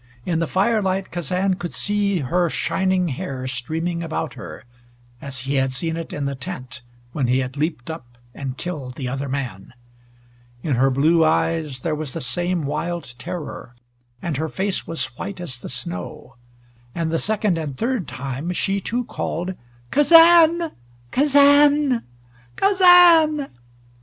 In the firelight Kazan could see her shining hair streaming about her, as he had seen it in the tent, when he had leaped up and killed the other man. In her blue eyes there was the same wild terror, and her face was white as the snow. And the second and third time, she too called, "Kazan Kazan Kazan!"